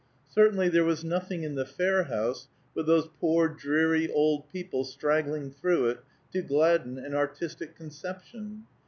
Certainly, there was nothing in the fair house, with those poor, dreary old people straggling through it, to gladden an artistic conception.